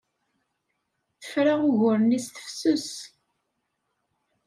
Tefra ugur-nni s tefses.